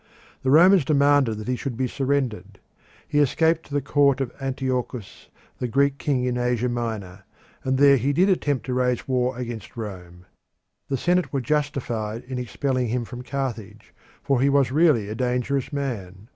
The Romans demanded that he should be surrendered; he escaped to the court of Antiochus, the Greek king in Asia Minor, and there he did attempt to raise war against Rome. The senate were justified in expelling him from Carthage, for he was really a dangerous man.